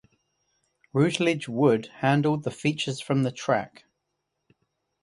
Rutledge Wood handled the features from the track.